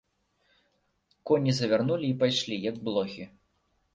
Коні завярнулі і пайшлі, як блохі.